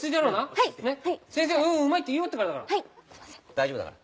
大丈夫だから。